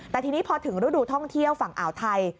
แต่ทีนี้พอถึงฤดูท่องเที่ยวฝั่งอ่าวไทย